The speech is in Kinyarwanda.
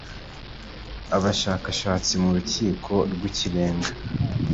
Abashakashatsi mu Rukiko rw Ikirenga